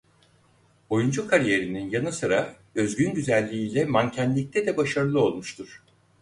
Oyuncu kariyerinin yanı sıra özgün güzelliği ile mankenlikte de başarılı olmuştur.